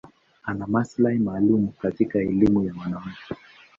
Ana maslahi maalum katika elimu ya wanawake.